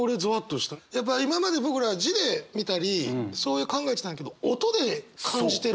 やっぱ今まで僕ら字で見たり考えてたんだけど音で感じてるんだ？